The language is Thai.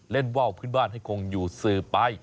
เล่นว่าวพื้นบ้านให้คงอยู่ซื้อไป